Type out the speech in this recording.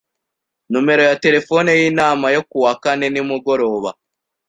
Numero ya terefone yinama yo kuwa kane nimugoroba